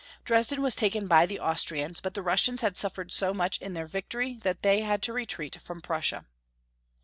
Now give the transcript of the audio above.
Dresden was taken by the Austrians, but the Rus sians had suffered so much in their victory that they had to retreat from Prussia.